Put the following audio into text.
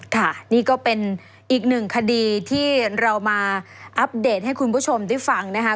ค่ะนี่ก็เป็นอีกหนึ่งคดีที่เรามาอัปเดตให้คุณผู้ชมได้ฟังนะคะ